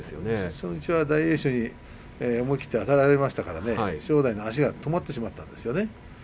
初日は大栄翔に思い切ってあたられましたから正代の足が止まってしまったんですよね。